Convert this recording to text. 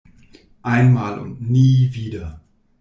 Einmal und nie wieder.